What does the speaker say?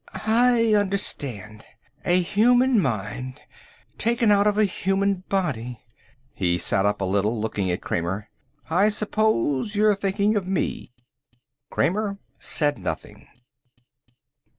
"I understand. A human mind, taken out of a human body." He sat up a little, looking at Kramer. "I suppose you're thinking of me." Kramer said nothing.